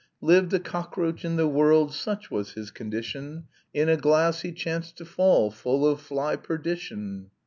"Lived a cockroach in the world Such was his condition, In a glass he chanced to fall Full of fly perdition."